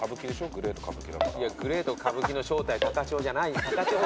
グレート・カブキの正体高千穂じゃない。